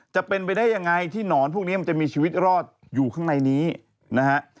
จะเป็นไปได้ยังไงที่หนอนพวกนี้มันจะมีชีวิตรอดอยู่ข้างในนี้นะฮะ